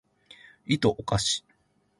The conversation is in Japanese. いとをかし